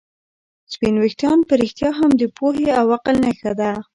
سپین ویښتان په رښتیا هم د پوهې او عقل نښه ده.